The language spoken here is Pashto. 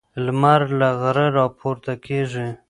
لمر له غره راپورته کیږي.